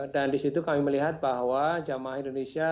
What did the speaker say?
dan di situ kami melihat bahwa jemaah indonesia